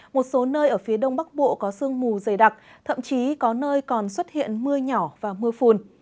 một số nơi ở phía đông bắc bộ có sương mù dày đặc thậm chí có nơi còn xuất hiện mưa nhỏ và mưa phùn